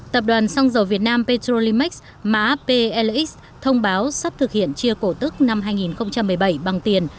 tập đoàn xăng dầu việt nam petrolimax má plx thông báo sắp thực hiện chia cổ tức năm hai nghìn một mươi bảy bằng tiền